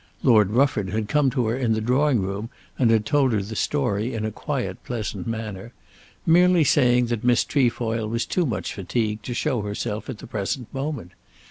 Lord Rufford had come to her in the drawing room and had told her the story in a quiet pleasant manner, merely saying that Miss Trefoil was too much fatigued to show herself at the present moment.